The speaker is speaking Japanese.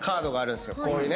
こういうね。